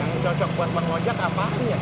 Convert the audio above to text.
yang cocok buat bang ojak apaan ya